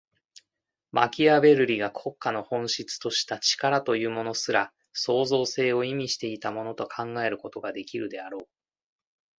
マキアヴェルリが国家の本質とした「力」というものすら、創造性を意味していたものと考えることができるであろう。